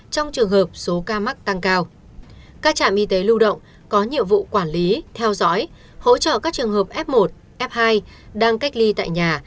các trạm y tế lưu động có nhiệm vụ quản lý theo dõi hỗ trợ các trường hợp f một f hai đang cách ly tại nhà